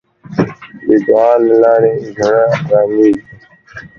د دعا له لارې زړه آرامېږي.